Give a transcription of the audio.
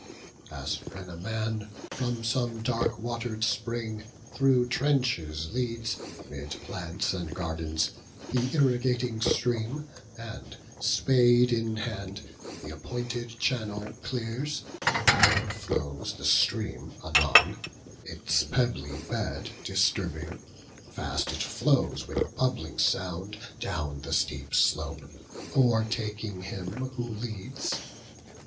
As when a man From some dark water'd spring through trenches leads, 'Mid plants and gardens, th' irrigating stream, And, spade in hand, th' appointed channel clears: Down flows the stream anon, its pebbly bed Disturbing; fast it flows with bubbling sound, Down the steep slope, o'ertaking him who leads.